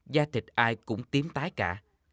gia thịt ai cũng tiếm tái cả